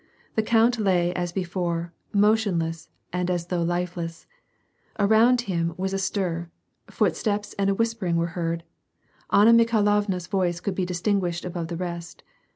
The count lay as before, motionless, and as though lifeless. Around him there was a stir ; footsteps and a whispering were heard : Anna Mikhai lovna's voice could be distinguished above the rest.